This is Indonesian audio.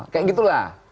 kayak gitu lah